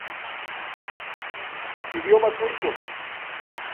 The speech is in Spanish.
Idioma turco